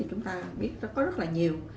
chúng ta biết có rất là nhiều